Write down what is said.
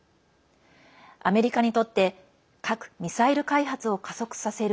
アメリカにとって核・ミサイル開発を加速させる